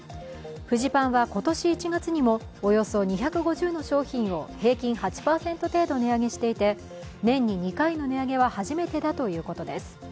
フジパンは今年１月にも、およそ２５０の商品を平均８％程度値上げしていて、年に２回の値上げは初めてだということです。